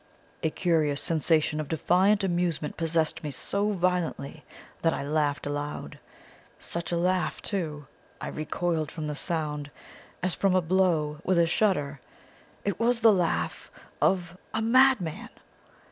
A curious sensation of defiant amusement possessed me so violently that I laughed aloud. Such a laugh, too! I recoiled from the sound, as from a blow, with a shudder. It was the laugh of a madman!